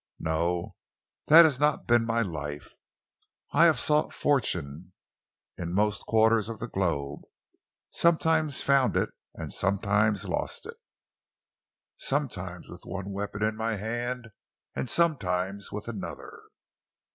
No, that has not been my life. I have sought fortune in most quarters of the globe, sometimes found it and sometimes lost it, sometimes with one weapon in my hand and sometimes with another.